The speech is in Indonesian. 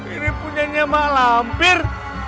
ini punyanya mak lampir